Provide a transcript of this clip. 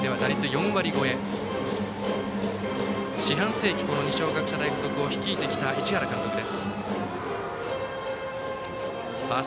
四半世紀二松学舎大付属を率いてきた市原監督です。